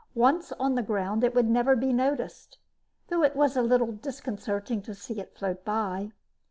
Once on the ground, it would never be noticed, though it was a little disconcerting to see it float by.